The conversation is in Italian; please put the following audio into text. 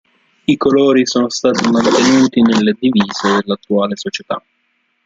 I colori sono stati mantenuti nelle divise dell'attuale società.